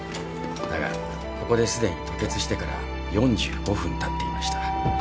だがここですでに吐血してから４５分たっていました。